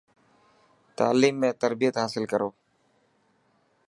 تعليم ۾ تربيت حاصل ڪرو.